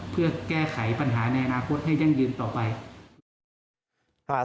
เพื่อแก้ไขปัญหาในอนาคตให้ยั่งยืนต่อไป